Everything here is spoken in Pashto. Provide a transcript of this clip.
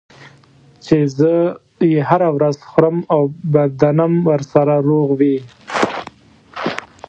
چې زه یې هره ورځ خورم او بدنم ورسره روغ وي.